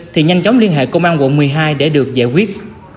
thì nhanh chóng liên hệ công an quận một mươi hai để được giải quyết